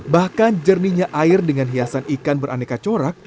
bahkan jernihnya air dengan hiasan ikan beraneka corak